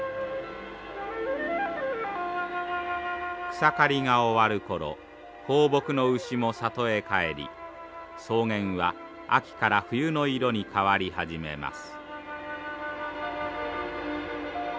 草刈りが終わる頃放牧の牛も里へ帰り草原は秋から冬の色に変わり始めます。